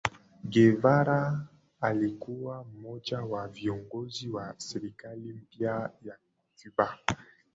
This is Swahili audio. Guevara alikuwa mmoja wa viongozi wa serikali mpya ya Cuba